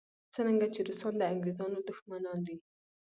څرنګه چې روسان د انګریزانو دښمنان دي.